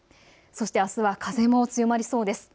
あすは風も強まりそうです。